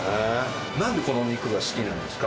なんでこのお肉が好きなんですか？